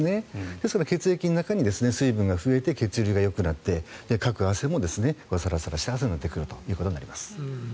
ですから、血液の中に水分が増えて血流がよくなってかく汗もサラサラした汗になってくるということになります。